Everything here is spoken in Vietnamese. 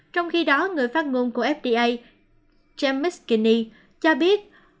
trong khi đó người phát ngôn của fda james mckinney cho biết